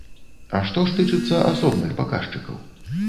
А што ж тычыцца асобных паказчыкаў?